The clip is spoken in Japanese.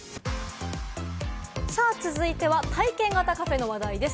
続いて体験型カフェの話題です。